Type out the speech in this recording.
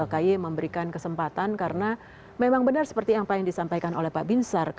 ky memberikan kesempatan karena memang benar seperti apa yang disampaikan oleh pak binsar